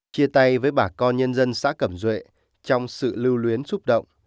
chia tay với bà con nhân dân xã cẩm duệ trong sự lưu luyến xúc động